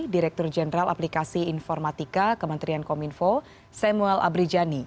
direktur jenderal aplikasi informatika kementerian kominfo samuel abrijani